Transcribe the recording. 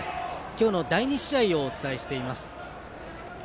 今日の第２試合をお伝えしています。